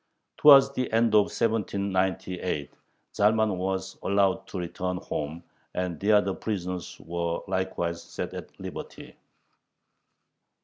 Towards the end of 1798 Zalman was allowed to return home, and the other prisoners were likewise set at liberty.